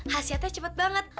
hasilnya cepet banget